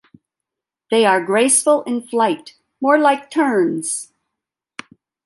They are graceful in flight, more like terns.